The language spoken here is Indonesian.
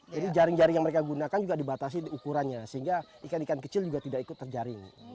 jadi jaring jaring yang mereka gunakan juga dibatasi ukurannya sehingga ikan ikan kecil juga tidak ikut terjaring